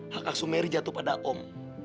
hak hak sumeri jatuh pada om